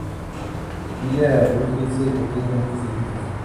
Villa Borghese contiene muchos edificios.